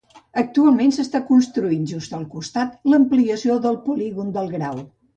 Actualment s'està construint, just al costat, l'ampliació del polígon del Grau.